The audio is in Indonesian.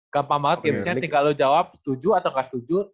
gampang banget tipsnya tinggal lo jawab setuju atau nggak setuju